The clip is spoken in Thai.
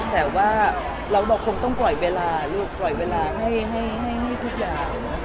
แต่ว่าเราคงต้องปล่อยเวลาลูกปล่อยเวลาให้ทุกอย่าง